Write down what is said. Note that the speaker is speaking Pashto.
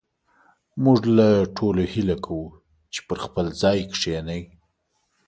موږ له ټولو هيله کوو چې پر خپل ځاى کښېنئ